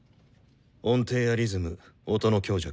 音程やリズム音の強弱